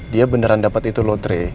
dia beneran dapat itu lotre